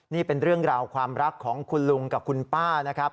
นี่เป็นเรื่องราวความรักของคุณลุงกับคุณป้านะครับ